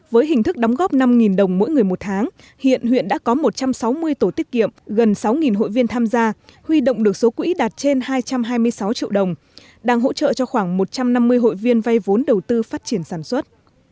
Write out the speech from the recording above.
với hình thức đóng góp năm đồng mỗi người một tháng hiện huyện đã có một trăm sáu mươi tổ tiết kiệm gần sáu hội viên tham gia huy động được số quỹ đạt trên hai trăm hai mươi sáu triệu đồng đang hỗ trợ cho khoảng một trăm năm mươi hội viên vay vốn đầu tư phát triển sản xuất